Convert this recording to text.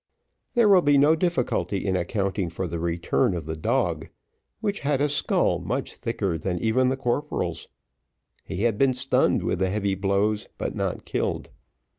There will be no difficulty in accounting for the return of the dog, which had a skull much thicker than even the corporal's. He had been stunned with the heavy blows, but not killed.